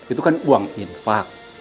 itu kan uang infak